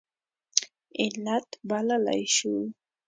علت بللی شو.